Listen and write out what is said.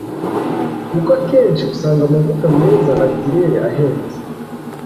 kuko akenshi usanga amavuta meza naturelle ahenze